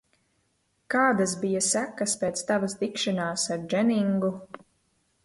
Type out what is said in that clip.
Kādas bija sekas pēc tavas tikšanās ar Dženingu?